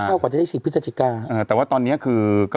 เท่ากว่าจะได้สิ์พฤษาชิกาเอ่อแต่ว่าตอนเนี้ยคือก็